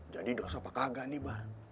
jadi dosa apa kagak nih bar